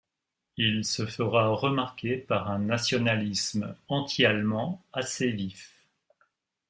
Il se fera remarquer par un nationalisme anti-allemand assez vif.